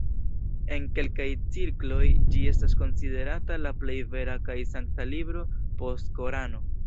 En kelkaj cirkloj ĝi estas konsiderata la plej vera kaj sankta libro post Korano.